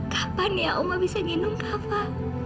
kapan ya oma bisa gendung kafa